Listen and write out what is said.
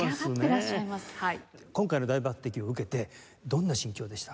今回の大抜擢を受けてどんな心境でした？